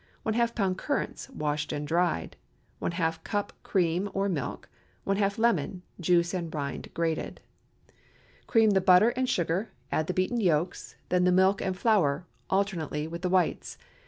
¼ lb. currants, washed and dried. ½ cup cream or milk. ½ lemon—juice and rind grated. Cream the butter and sugar; add the beaten yolks, then the milk and the flour, alternately, with the whites.